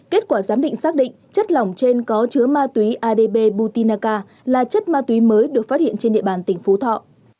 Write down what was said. kết quả giám định xác định chất lỏng trên có chứa ma túy adbutinaka là chất ma túy mới được phát hiện trên địa bàn tỉnh phú thọ